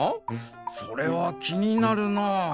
それはきになるなあ。